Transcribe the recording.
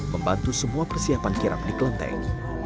membantu semua persiapan kiram di klenteng